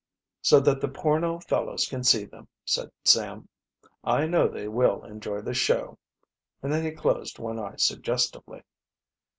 "So that the Pornell fellows can see them," said Sam. "I know they will enjoy the show," and then he closed one eye suggestively.